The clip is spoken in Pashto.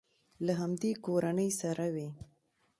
له همدې کورنۍ سره وي.